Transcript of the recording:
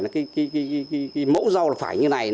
cái mẫu rau là phải như này nó phải như thế này